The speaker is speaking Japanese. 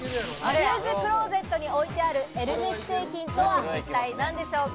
シューズクローゼットに置いてあるエルメス製品とは、一体何でしょうか？